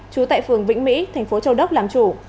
trú tại phường vĩnh mỹ thành phố châu đốc làm chủ